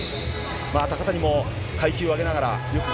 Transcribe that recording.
高谷も階級を上げながら、よく頑